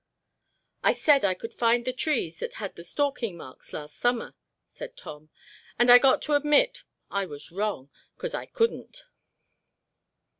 "I said I could find the trees that had the stalking marks last summer," said Tom, "and I got to admit I was wrong, 'cause I couldn't."